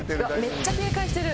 めっちゃ警戒してる！